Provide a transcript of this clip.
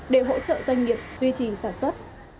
để hỗ trợ doanh nghiệp duy trì sản xuất